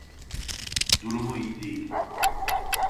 Durumu iyi değil.